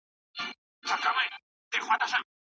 سیاستپوهنه یوازي د قدرت د ترلاسه کولو لاره نه ده.